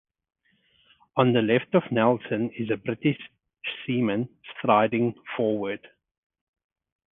On the left of Nelson is a British seaman striding forward.